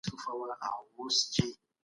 ځواک باید د بې وزلو د حق لپاره وکارول سي.